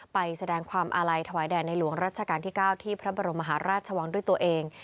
ไปแสดงความอาลัยถวายแด่ในหลวงรัชกาลที่๙ที่พระบรมมหาราชวังด้วยตัวเอง